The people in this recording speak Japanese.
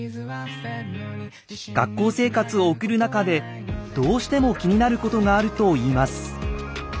学校生活を送る中でどうしても気になることがあると言います。